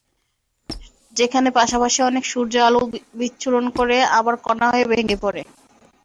যেখানে পাশাপাশি অনেক সূর্য আলো বিচ্ছুরণ করে আবার কণা হয়ে ভেঙে পড়ে।